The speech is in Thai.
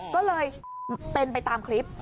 ก็เลยเป็นไปตามคลิป